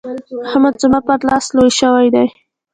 احمد زما پر لاس لوی شوی دی.